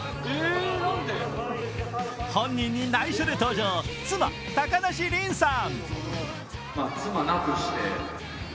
本人に内緒で登場、妻・高梨臨さん。